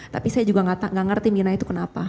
tapi saya juga gak ngerti mirna itu kenapa